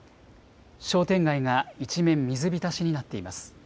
商店街が一面、水浸しになっています。